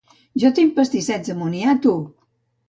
Jo tinc pastissets de moniato!